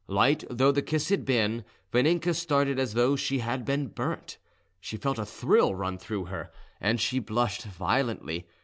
Light though the kiss had been, Vaninka started as though she had been burnt; she felt a thrill run through her, and she blushed violently.